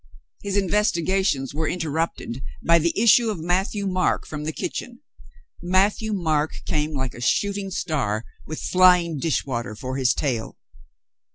His investigations were inter rupted by the issue of Matthieu Marc from the kitchen. Matthieu Marc came like a shooting star, with flying dishwater for his tail.